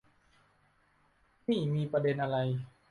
นี่มีประเด็นอะไร